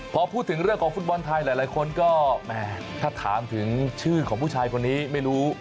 พอพูดถึงเรื่องของฟุตบอลไทยหลายคนก็แหมถ้าถามถึงชื่อของผู้ชายคนนี้ไม่รู้